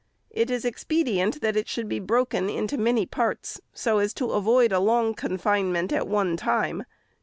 It is expedient that it should be broken into many parts, so as to avoid a long confinement at one time.